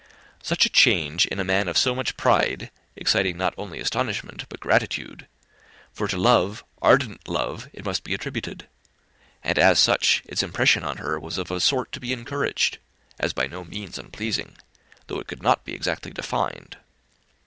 Such a change in a man of so much pride excited not only astonishment but gratitude for to love, ardent love, it must be attributed; and, as such, its impression on her was of a sort to be encouraged, as by no means unpleasing, though it could not be exactly defined.